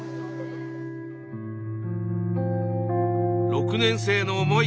６年生の思い